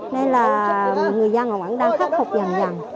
nên là người dân ở ngoạn đang khắc phục dần dần